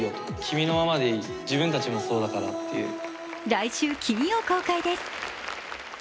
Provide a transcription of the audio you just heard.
来週金曜公開です。